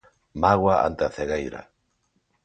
Mágoa ante a cegueira.